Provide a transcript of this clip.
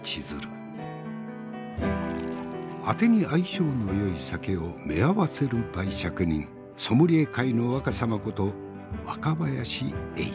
あてに相性のよい酒をめあわせる媒酌人ソムリエ界の若さまこと若林英司。